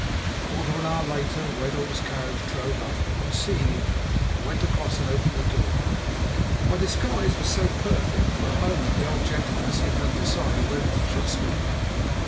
A quarter of an hour later Wetherell's carriage drove up, and on seeing it I went across and opened the door. My disguise was so perfect that for a moment the old gentleman seemed undecided whether to trust me or not.